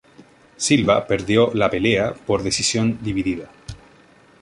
Silva perdió la pelea por decisión dividida.